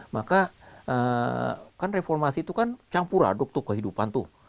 maka kan reformasi itu kan campur aduk tuh kehidupan tuh